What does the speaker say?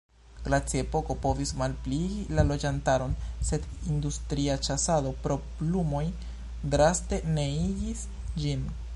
Glaciepoko povis malpliigi la loĝantaron, sed industria ĉasado pro plumoj draste neniigis ĝin.